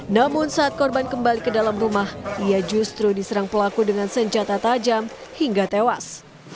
namun saat korban kembali ke dalam rumah ia justru diserang pelaku dengan senjata tajam hingga tewas